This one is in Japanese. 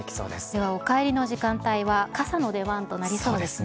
ではお帰りの時間帯は、傘の出番となりそうですね。